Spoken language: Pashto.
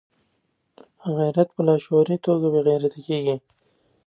غیرت په لاشعوري توګه بې غیرته کېږي.